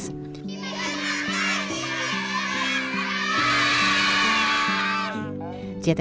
kita mau belajar